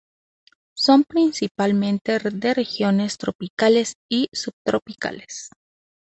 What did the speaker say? Son principalmente de regiones tropicales y subtropicales.